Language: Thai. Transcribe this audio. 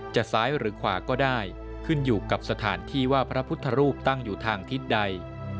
ซ้ายหรือขวาก็ได้ขึ้นอยู่กับสถานที่ว่าพระพุทธรูปตั้งอยู่ทางทิศใด